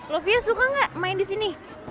lovia suka nggak main di sini